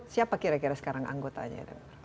siapa kira kira sekarang anggotanya